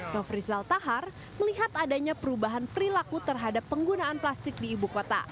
nofrizal tahar melihat adanya perubahan perilaku terhadap penggunaan plastik di ibu kota